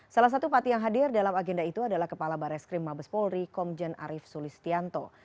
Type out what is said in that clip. salah satu pati yang hadir dalam agenda itu adalah kepala baris krim mabes polri komjen arief sulistianto